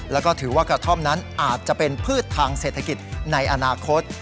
แล้วก็ถือว่ากระท่อมนั้นอาจจะเป็นพืชทางเศรษฐกิจในอนาคต